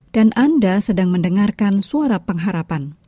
dan anda sedang mendengarkan suara pengharapan